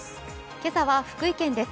今朝は福井県です